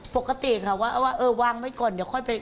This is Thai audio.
ปกติค่ะว่าเออวางไว้ก่อนเดี๋ยวค่อยไป